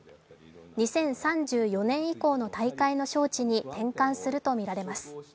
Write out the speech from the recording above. ２０３４年以降の大会の招致に転換するとみられます。